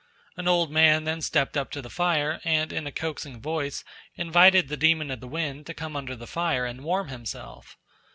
An old man then stepped up to the fire and in a coaxing voice invited the demon of the wind to come under the fire and warm himself.